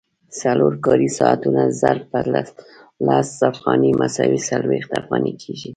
څلور کاري ساعتونه ضرب په لس افغانۍ مساوي څلوېښت افغانۍ کېږي